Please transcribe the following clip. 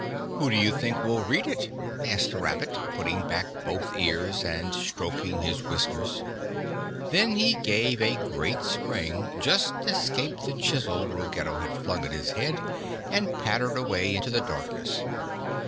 "Who do you think will read it?" asked the rabbit, putting back both ears and stroking his whiskers. Then he gave a great spring, just escaped the chisel Ruggedo had flung at his head, and pattered away into the darkness.